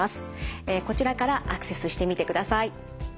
こちらからアクセスしてみてください。